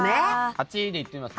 ８でいってみます？